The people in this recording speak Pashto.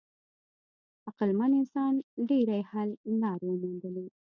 عقلمن انسان ډېرې حل لارې وموندلې.